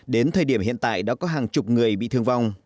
đến thời điểm hiện tại đã có hàng chục người bị thương vong